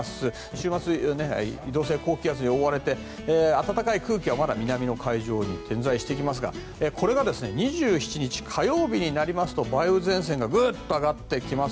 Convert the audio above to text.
週末移動性高気圧に覆われて暖かい空気は南の海上に点在していますがこれが２７日火曜日になりますと梅雨前線がグッと上がってきます。